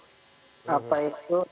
timnya sampai kepada pemilihnya